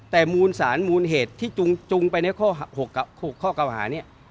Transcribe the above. แต่มูลสารมูลเหตุที่จุงไปใน๖ข้อเก่าหานี้